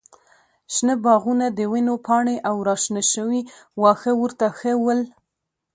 شنه باغونه، د ونو پاڼې او راشنه شوي واښه ورته ښه ول.